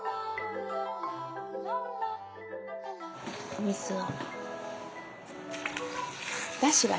お水を。